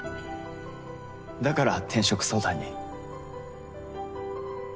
だから転職相談に。